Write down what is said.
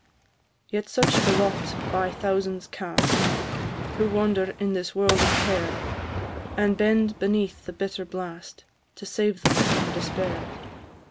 Yet such the lot by thousands cast, Who wander in this world of care, And bend beneath the bitter blast, To save them from despair.